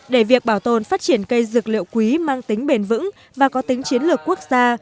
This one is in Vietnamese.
để việc bảo tồn phát triển cây dược liệu quý mang tính bền vững và có tính chiến lược quốc gia